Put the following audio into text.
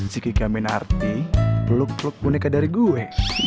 si kiki aminarti peluk peluk boneka dari gue